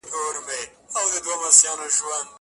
هغه خو ټوله ژوند په بنده گي كي پــاتــــه سـوى.